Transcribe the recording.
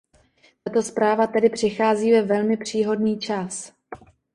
Tato zpráva tedy přichází ve velmi příhodný čas.